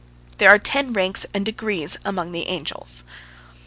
There are ten ranks or degrees among the angels.